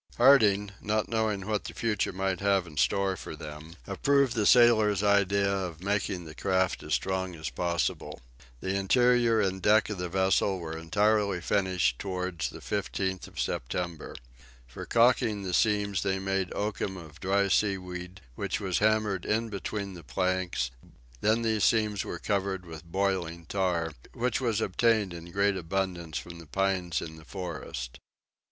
Harding, not knowing what the future might have in store for them, approved the sailor's idea of making the craft as strong as possible. The interior and deck of the vessel was entirely finished towards the 15th of September. For calking the seams they made oakum of dry seaweed, which was hammered in between the planks; then these seams were covered with boiling tar, which was obtained in great abundance from the pines in the forest.